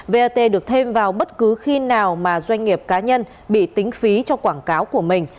vat được thêm vào bất cứ khi nào mà doanh nghiệp cá nhân bị tính phí cho quảng cáo của mình